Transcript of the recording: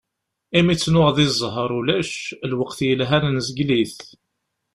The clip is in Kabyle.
Imi tt-nuɣ di ẓẓher, ulac ; lweqt yelhan nezgel-it.